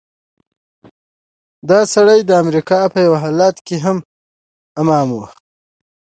دا سړی د امریکا په یوه ایالت کې امام و.